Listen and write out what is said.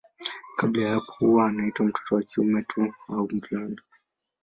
Kabla ya hapo huwa anaitwa mtoto wa kiume tu au mvulana.